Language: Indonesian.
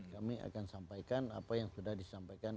kami akan sampaikan apa yang sudah disampaikan